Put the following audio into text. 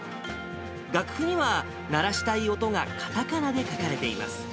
楽譜には、鳴らしたい音がカタカナで書かれています。